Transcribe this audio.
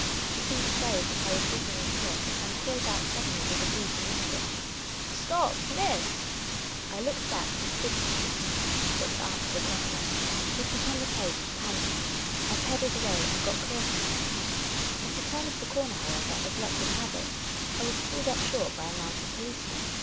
He seemed afraid that I would give him the .slip, and called out suddenly, with a whoop, in English, " St(^p, mi.ss !" I looked back with dignity, but The Inquisitive American 67 answered nothing. He put on the pace, panting; I pedalled awa}'^ and got clear from him. At a turn of the corner, however, a.s luck would have it, I was pulled up short by a mounted policeman.